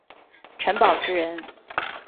陈宝炽人。